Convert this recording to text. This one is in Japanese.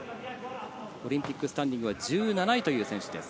オリンピックスタンディングは１７位という選手です。